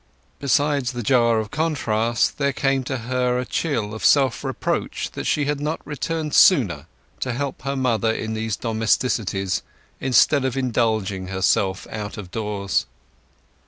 Besides the jar of contrast there came to her a chill self reproach that she had not returned sooner, to help her mother in these domesticities, instead of indulging herself out of doors.